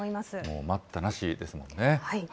もう待ったなしですもんね。